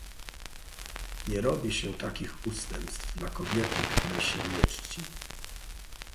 "Nie robi się takich ustępstw dla kobiety, której się nie czci."